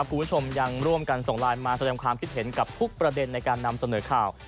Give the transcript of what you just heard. คุณผู้ชมยังร่วมกันส่งไลน์มาแสดงความคิดเห็นกับทุกประเด็นในการนำเสนอข่าว